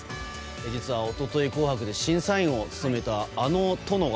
実はおととい「紅白」で審査員を務めたあの殿が。